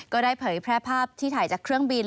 ก็ได้เผยแพร่ภาพที่ถ่ายจากเครื่องบิน